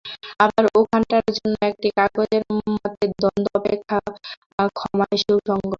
আবার ওখানকার অন্য একটি কাগজের মতে দণ্ড অপেক্ষা ক্ষমাই সুসঙ্গত।